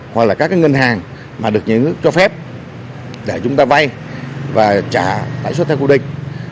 hoặc là các ngân hàng mà được những nước cho phép để chúng ta vay và trả tài xuất theo cố định